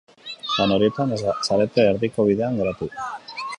Lan horietan ez zarete erdiko bidean geratu.